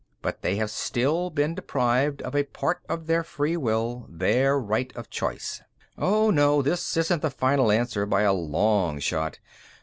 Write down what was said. But they have still been deprived of a part of their free will, their right of choice. "Oh, no; this isn't the final answer by a long shot!